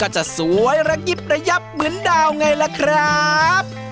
จะสวยระยิบระยับเหมือนดาวไงล่ะครับ